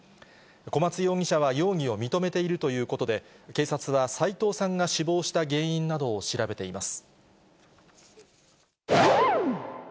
小松容疑者は容疑を認めているということで、警察は斎藤さんが死亡した原因などを調べています。